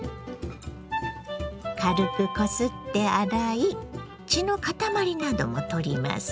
軽くこすって洗い血の塊なども取ります。